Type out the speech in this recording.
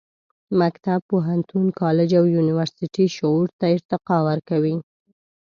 مکتب، پوهنتون، کالج او یونیورسټي شعور ته ارتقا ورکوي.